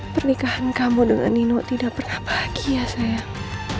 pernikahan kamu dengan nino tidak pernah bahagia sayang